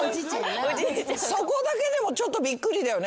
そこだけでもちょっとびっくりだよね。